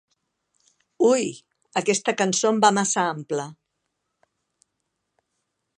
Ui, aquesta cançó em va massa ampla!